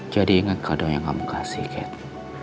jadi inget kado yang kamu kasih kate